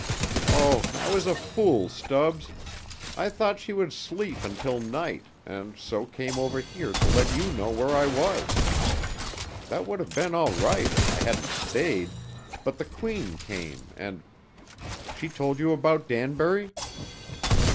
"Oh, I was a fool, Stubbs. I thought she would sleep until night, and so came over here to let you know where I was. That would have been all right if I hadn't stayed, but the Queen came and she told you about Danbury?"